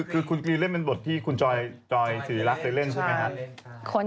คือคุณกรีนเล่นเป็นบทที่คุณจอยสิริรักษ์เคยเล่นใช่ไหมครับ